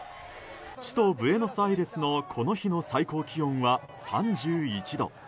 首都ブエノスアイレスのこの日の最高気温は３１度。